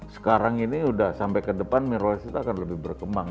sekarang ini udah sampai kedepan mirrorless itu akan lebih berkembang